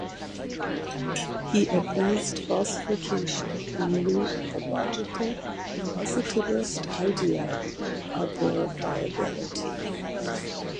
He advanced falsification in lieu of the logical positivist idea of verifiability.